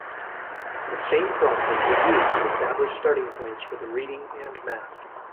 The same process was used to establish starting points for reading and math.